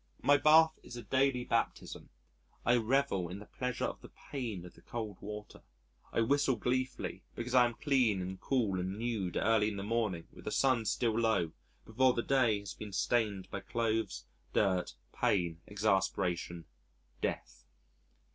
My bath is a daily baptism. I revel in the pleasure of the pain of the cold water. I whistle gleefully because I am clean and cool and nude early in the morning with the sun still low, before the day has been stained by clothes, dirt, pain, exasperation, death....